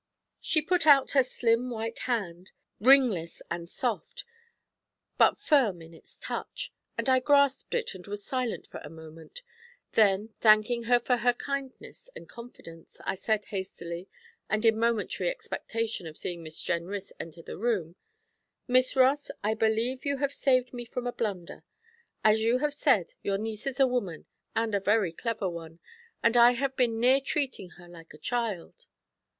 She put out her slim, white hand, ringless and soft, but firm in its touch, and I grasped it and was silent for a moment; then, thanking her for her kindness and confidence, I said hastily, and in momentary expectation of seeing Miss Jenrys enter the room: 'Miss Ross, I believe you have saved me from a blunder. As you have said, your niece is a woman, and a very clever one, and I have been near treating her like a child.'